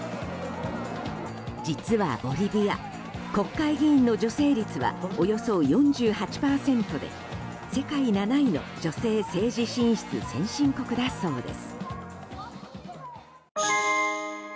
実は、ボリビア国会議員の女性率はおよそ４８％で世界７位の女性政治進出先進国だそうです。